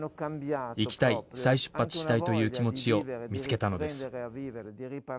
生きたい、再出発したいという気持ちを見つけたのです。